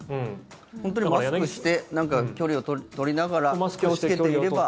本当にマスクをして距離を取りながら気をつけていれば。